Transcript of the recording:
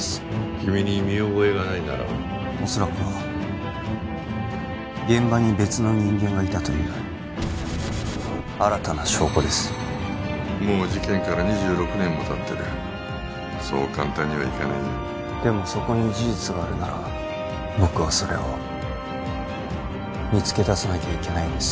君に見覚えがないんならおそらくは現場に別の人間がいたという新たな証拠ですもう事件から２６年もたってるそう簡単にはいかないよでもそこに事実があるなら僕はそれを見つけ出さなきゃいけないんです